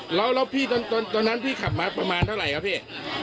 ครับแล้วแล้วพี่ต้นตอนนั้นพี่ขับมาประมาณเท่าไหร่ครับพี่